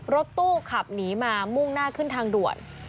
รถตู้ขับหนีมามุ่งหน้าขึ้นทางด่วน